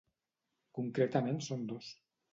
Concretament són dos.